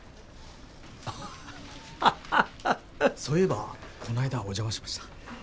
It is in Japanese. そういえばこの間はお邪魔しました。